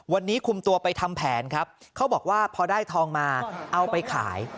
วันนี้คุมตัวไปทำแผนครับเขาบอกว่าพอได้ทองมาเอาไปขาย